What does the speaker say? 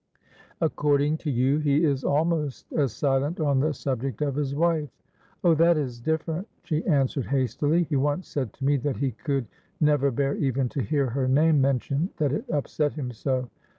"According to you he is almost as silent on the subject of his wife." "Oh, that is different," she answered, hastily. "He once said to me that he could never bear even to hear her name mentioned, that it upset him so.